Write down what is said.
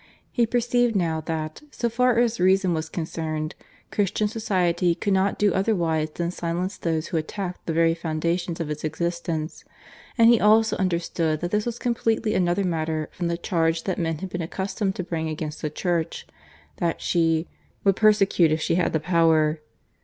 He perceived now that, so far as reason was concerned, Christian society could not do otherwise than silence those who attacked the very foundations of its existence; and he also understood that this was completely another matter from the charge that men had been accustomed to bring against the Church, that she "would persecute if she had the power."